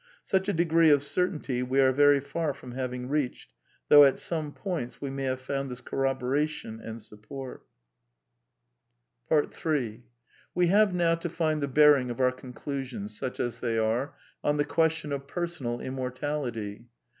Such a degree of certainty we are very far from having reached, though at some points we may have found this corroboration and support > CONCLUSIONS 811 III We have now to find the bearing of our conclusions, such as they are, on the question of Personal Immortality.